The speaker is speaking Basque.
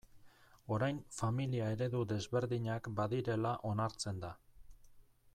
Orain familia eredu desberdinak badirela onartzen da.